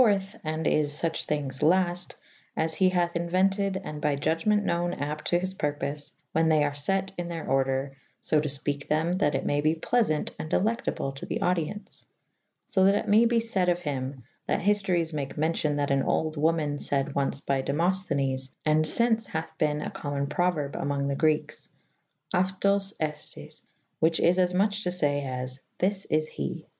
& is luch thynges lafte as he hathe Inuentid and by iudgement knowen apte to his purpofe when they ar fet in theyr ordre lb to Ipeke them that it maye be pleasant and delectable to the audience. So that it maye be fayde of hym that hiftoryes make mencion that an olde woman fayd ons by demofthenes and [A iiii b] iVns hathe bene a co;«mune prouerbe amo«ge the grekes ovToa eo tc' whiche is afmoch to faye as (This is he).